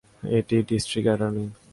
এ তো district attorney.